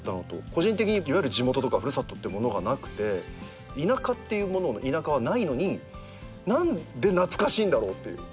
個人的にいわゆる地元とか古里ってものがなくて田舎っていうもの田舎はないのに何で懐かしいんだろうっていう。